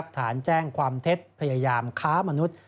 ฐานแจ้งความเท็จพยายามค้ามนุษย์